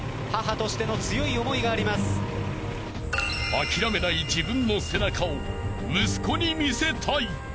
［諦めない自分の背中を息子に見せたい］